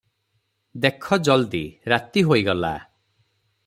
ଦେଖ ଜଲଦି, ରାତି ହୋଇଗଲା ।